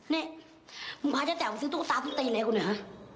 นี่มึงพาเจ้าแต่วมาซื้อตุ๊กตาสุดทีไหนกูเนี่ยฮะ